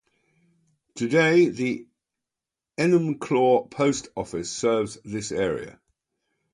Today, the Enumclaw post office serves this area.